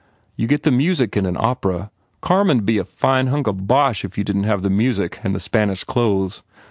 You get the music in an opera. Carmen d be a fine hunk of bosh if you didn t have the music and the Spanish clothes.